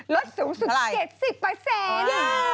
ลดสูงสุด๗๐เปอร์เซ็นต์เท่าไร